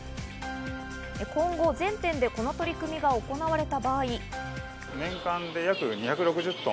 今後、全店でこの取り組みが行われた場合。